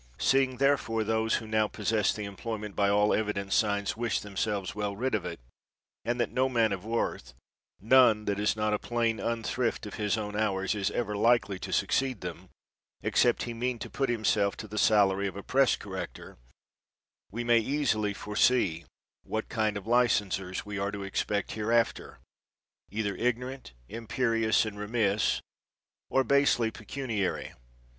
Seeing there fore those who now possess the employment by all evident signs wish themselves well rid of it, and that no man of worth, none that is not a plain unthrift of his own hours is ever likely to succeed them, except he mean to put himself to the salary of a press corrector; we may easily foresee what kind of licensers we are to expect hereafter, either ignorant, imperious, and remiss, or basely pecuniary.